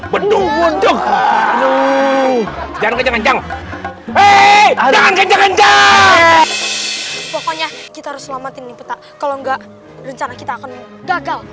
pokoknya kita harus selamatin kalau enggak rencana kita akan gagal